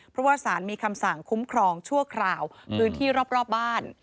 เพราะว่าสารมีคำสั่งคุ้มครองชั่วคราวพื้นที่รอบบ้าน